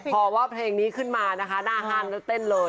พอว่าเพลงนี้ขึ้นมานะคะหน้าห้างแล้วเต้นเลย